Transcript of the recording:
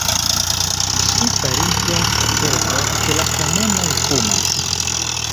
Ŝi fariĝas certa, ke la kamenoj fumas.